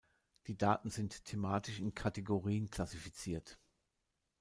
Die Daten sind thematisch in Kategorien klassifiziert.